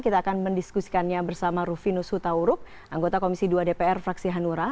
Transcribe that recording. kita akan mendiskusikannya bersama rufinus hutauruk anggota komisi dua dpr fraksi hanura